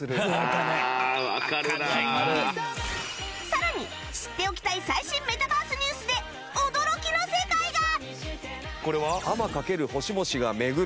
さらに知っておきたい最新メタバース ＮＥＷＳ で驚きの世界が！